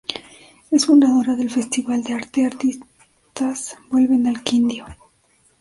Es fundadora del Festival de arte Artistas vuelven al Quindío.